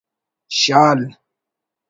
شال